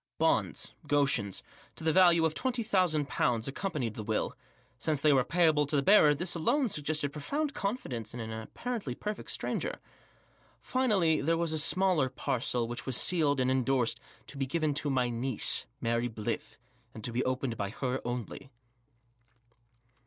Bonds —" Goschens "— to the value of £20,000 accom panied the will ; since they were payable to bearer this alone suggested profound confidence in an apparently perfect stranger. Finally, there was a smaller parcel which was sealed and endorsed " To be given to my niece, Mary Blyth, and to be opened by her only."